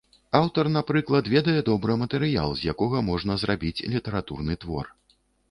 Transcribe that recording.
Аўтар, напрыклад, ведае добра матэрыял, з якога можна зрабіць літаратурны твор.